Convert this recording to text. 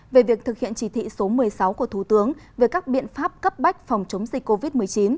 về việc thực hiện chỉ thị số một mươi sáu của thủ tướng về các biện pháp cấp bách phòng chống dịch covid một mươi chín